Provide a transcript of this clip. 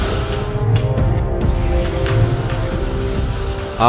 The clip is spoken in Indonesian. luka kamu harus disembuhkan